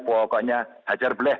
pokoknya hajar bleh